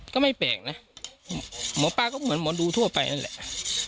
ก็ไม่แปลกนะหมอปลาก็เหมือนหมอดูทั่วไปนั่นแหละ